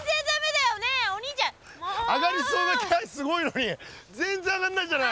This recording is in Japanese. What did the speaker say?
あがりそうな気配すごいのに全然あがんないじゃない！